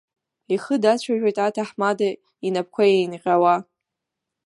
Ихы дацәажәоит аҭаҳмада инапқәа еинҟьауа.